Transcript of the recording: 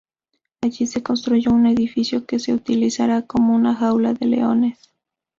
Allí se construyó un edificio que se utilizará como una jaula de leones.